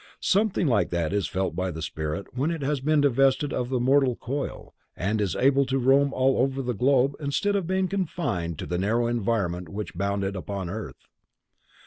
Something like that is felt by the spirit when it has been divested of the mortal coil, and is able to roam all over the globe instead of being confined to the narrow environment which bound it upon earth.